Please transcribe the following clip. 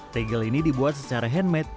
tegel ini dibuat secara handmade